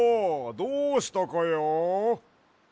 どうしたかや？